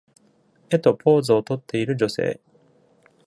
絵とポーズをとっている女性。